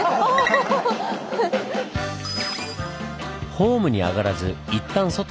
ホームに上がらずいったん外へ。